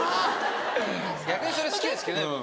逆にそれ好きですけどね僕。